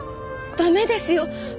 駄目ですよ！